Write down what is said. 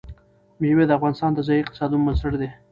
مېوې د افغانستان د ځایي اقتصادونو بنسټ دی.